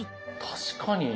確かに。